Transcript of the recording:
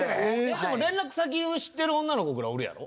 でも連絡先を知ってる女の子ぐらいおるやろ？